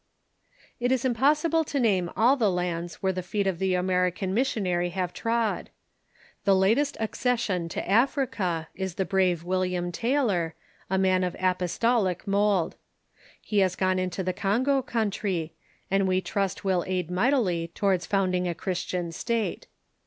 It is impossible to name all the lands where the feet of the American missionary have trod. The latest accession to Af rica is the brave AVilliam Taylor, a man of apostolic mould. He has gone into the Congo countr}^, and we trust will aid mightily towards founding a Christian state.